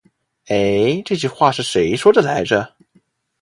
欸，这句话是谁说的来着。